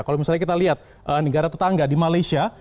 kalau misalnya kita lihat negara tetangga di malaysia